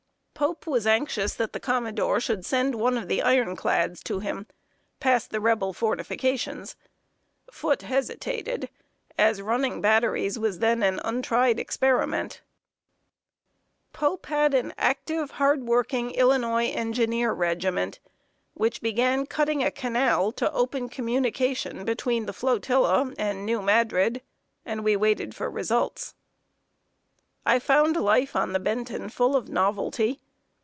Pope was anxious that the commodore should send one of the iron clads to him, past the Rebel fortifications. Foote hesitated, as running batteries was then an untried experiment. Pope had an active, hard working Illinois engineer regiment, which began cutting a canal, to open communication between the flotilla and New Madrid; and we waited for results. [Sidenote: DAILY LIFE ON A GUNBOAT.] I found life on the Benton full of novelty.